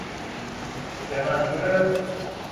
به منظور...